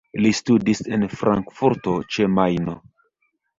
Li studis en Frankfurto ĉe Majno.